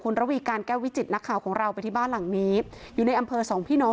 นี่เดี๋ยวอาการของเธอกินข้าวอยู่ในห้องนอน